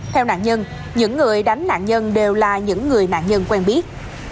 theo nạn nhân những người đánh nạn nhân đều là những người nạn nhân quen biết